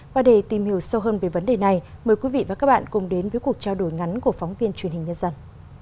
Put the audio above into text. và để tìm hiểu sâu hơn về vấn đề này mời quý vị và các bạn cùng đến với cuộc trao đổi ngắn của phóng viên truyền hình nhân dân